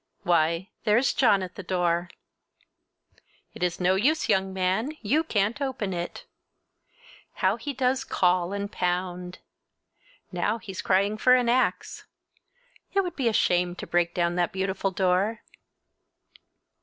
Why, there's John at the door! It is no use, young man, you can't open it! How he does call and pound! Now he's crying for an axe. It would be a shame to break down that beautiful door!